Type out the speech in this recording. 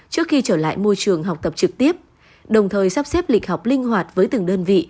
trước khi trở lại môi trường học tập trực tiếp đồng thời sắp xếp lịch học linh hoạt với từng đơn vị